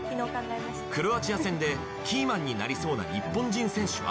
クロアチア戦でキーマンになりそうな日本人選手は？